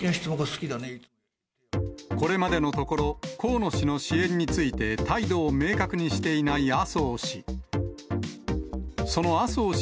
これまでのところ、河野氏の支援について、態度を明確にしていない麻生氏。